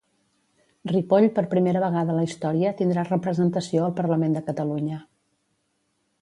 Ripoll per primera vegada a la història tindrà representació al Parlament de Catalunya.